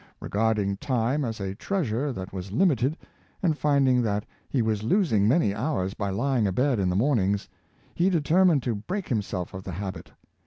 Regarding time as a treasure that was limited, and finding that he was losing many hours by Ivincr abed in the mominors, he determined to break himself of the habit.